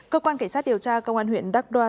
cơ quan cảnh sát điều tra công an huyện đắk đoa